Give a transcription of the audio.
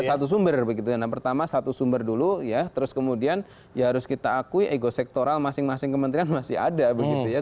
jadi ada satu sumber pertama satu sumber dulu terus kemudian ya harus kita akui ego sektoral masing masing kementerian masih ada gitu ya